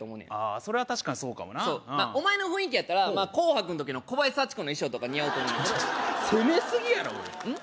あそれは確かにそうかもなお前の雰囲気やったら「紅白」の時の小林幸子の衣装とか似合うと思うねんけど攻めすぎやろおいうん？